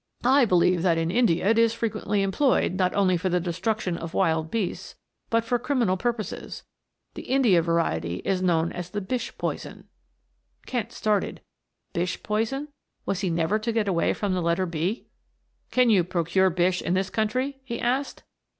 I believe that in India it is frequently employed, not only for the destruction of wild beasts, but for criminal purposes. The India variety is known as the Bish poison." Kent started Bish poison was he never to get away from the letter "B"? "Can you procure Bish in this country?" he asked.